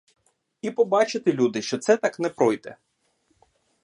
І побачите, люди, що це так не пройде.